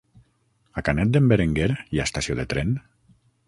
A Canet d'en Berenguer hi ha estació de tren?